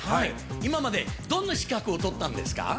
今までどんな資格を取ったんですか？